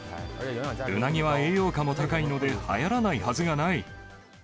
うなぎは栄養価も高いので、はやらないはずがない。